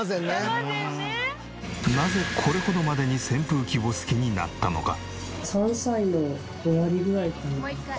なぜこれほどまでに扇風機を好きになったのか？